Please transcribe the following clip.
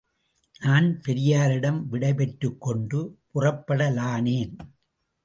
நான் பெரியாரிடம் விடை பெற்றுக் கொண்டு புறப்படலானேன்.